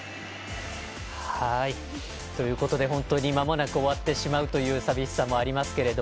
本当にまもなく終わってしまうという寂しさもありますが。